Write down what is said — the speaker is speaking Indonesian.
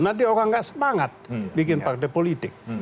nanti orang gak semangat bikin partai politik